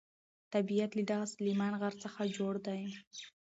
طبیعت له دغه سلیمان غر څخه جوړ دی.